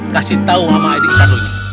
kasih tau sama adik sadonya